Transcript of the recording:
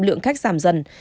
lượng khách giảm dần